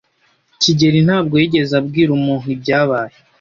kigeli ntabwo yigeze abwira umuntu ibyabaye.